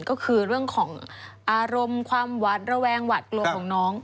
ก็คือเรื่องของอารมณ์ความหวาดระแวงหวาดกลัวของน้อง